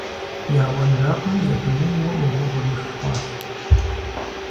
Я уэнжакъми зэпымыууэ Ӏугъуэ къриху хъуащ.